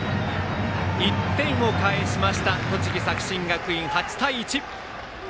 １点を返しました栃木・作新学院、８対１！